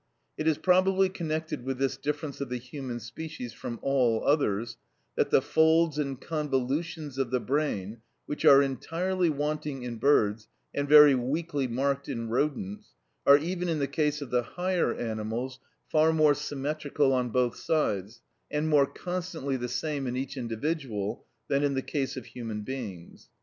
It is probably connected with this difference of the human species from all others, that the folds and convolutions of the brain, which are entirely wanting in birds, and very weakly marked in rodents, are even in the case of the higher animals far more symmetrical on both sides, and more constantly the same in each individual, than in the case of human beings.